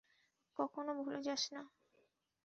কখনো ভুলে যাস না।